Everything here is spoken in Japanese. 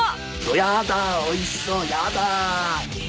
「やだおいしそうやだ」